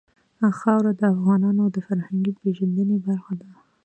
خاوره د افغانانو د فرهنګي پیژندنې برخه ده.